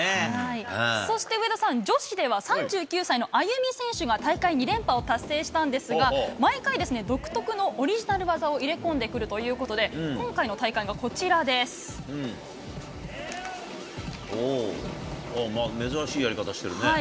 そして上田さん、女子では３９歳のアユミ選手が大会２連覇を達成したんですが、毎回、独特のオリジナル技を入れ込んでくるということで、今回の珍しいやり方してるね。